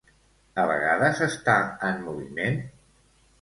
A vegades està en moviment?